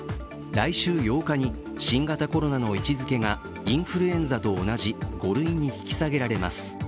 来週８日に新型コロナの位置づけがインフルエンザと同じ５類に引き下げられます。